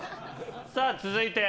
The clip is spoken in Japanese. さあ続いて。